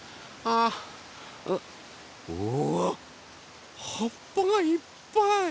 うわっはっぱがいっぱい！